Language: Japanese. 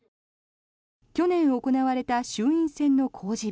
去年行われた衆院選の公示